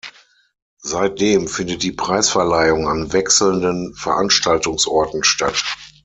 Seitdem findet die Preisverleihung an wechselnden Veranstaltungsorten statt.